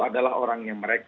adalah orang yang mereka